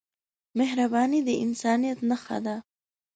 مهرباني د انسانیت نښه ده.